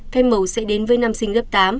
thêm mầu sẽ đến với nam sinh lớp tám